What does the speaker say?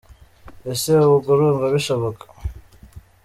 Ese ubwo urumva bishoboka?